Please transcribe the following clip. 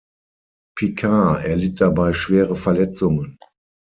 Picard erlitt dabei schwere Verletzungen.